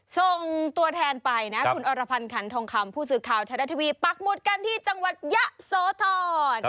ส่งตัวแทนไปนะคุณอรพันธ์ขันทองคำผู้สื่อข่าวไทยรัฐทีวีปักหมุดกันที่จังหวัดยะโสธร